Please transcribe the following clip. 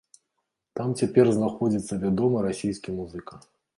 Там цяпер знаходзіцца вядомы расійскі музыка.